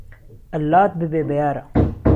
ئەللات ببێ به یاره